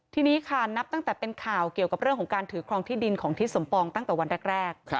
ทีนี้ค่ะนับตั้งแต่เป็นข่าวเกี่ยวกับเรื่องของการถือครองที่ดินของทิศสมปองตั้งแต่วันแรก